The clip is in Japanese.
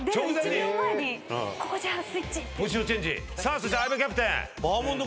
そして相葉キャプテン。